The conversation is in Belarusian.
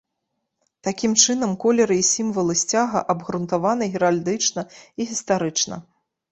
Такім чынам, колеры і сімвалы сцяга абгрунтаваны геральдычна і гістарычна.